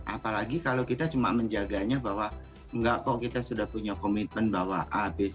apalagi kalau kita cuma menjaganya bahwa enggak kok kita sudah punya komitmen bahwa abis